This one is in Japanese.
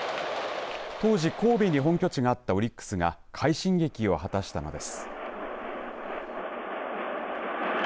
当時、神戸に本拠地があったオリックスが快進撃を果たしたのです。